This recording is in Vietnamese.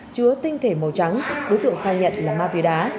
chứa tinh thể màu trắng đối tượng khai nhận là ma túy đá